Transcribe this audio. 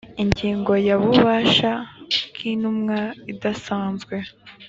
ingingo ya ububasha bw intumwa idasanzwe